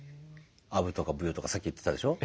アブとかブヨとかさっき言ってたでしょ。